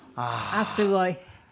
あっすごい。